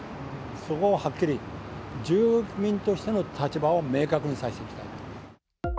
そこをはっきり、住民としての立場を明確にさせていきたいと。